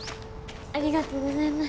ありがとうございます。